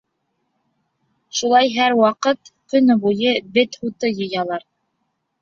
Шулай һәр ваҡыт, көнө буйы бет һуты йыялар.